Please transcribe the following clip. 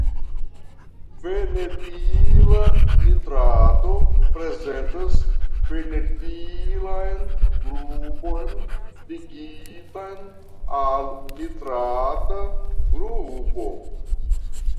Fenetila nitrato prezentas fenetilan grupon ligitan al nitrata grupo.